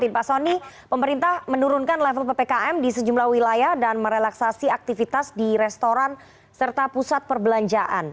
pak soni pemerintah menurunkan level ppkm di sejumlah wilayah dan merelaksasi aktivitas di restoran serta pusat perbelanjaan